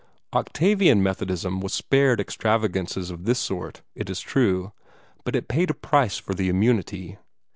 Octavian Methodism was spared extravagances of this sort, it is true, but it paid a price for the immunity.